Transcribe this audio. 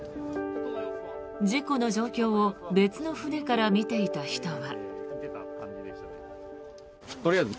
事故の状況を別の船から見ていた人は。